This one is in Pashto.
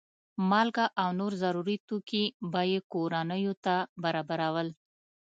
مالګه او نور ضروري توکي به یې کورنیو ته برابرول.